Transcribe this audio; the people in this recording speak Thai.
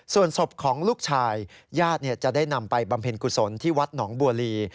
ส่วนศพของลูกชายญาติจะได้นำไปบำเพ็ญกุศลที่วัดหนองบัวลี